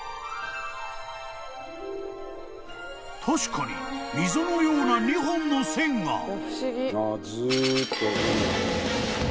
［確かに溝のような２本の線が］